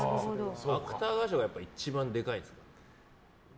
芥川賞が一番でかいんですか。